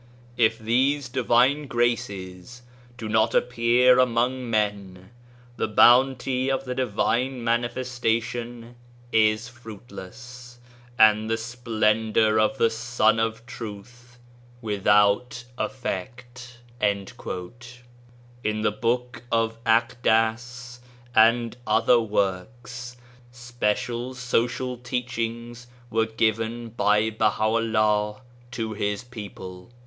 If these divine graces do not appear among men the bounty of the Divine Manifestation is fruitless, and the splendour of the Sun of Truth without effect." In the book of Akdas and other works, special social teachings were given by Baha'u'llah to his people.